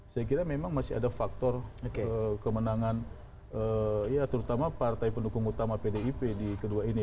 saya kira memang masih ada faktor kemenangan ya terutama partai pendukung utama pdip di kedua ini